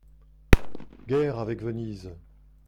- Guerre avec Venise.